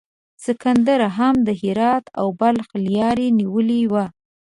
سکندر هم د هرات او بلخ لیاره نیولې وه.